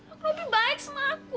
aku lebih baik sama aku